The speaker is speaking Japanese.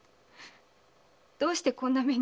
どうしてこんな目に。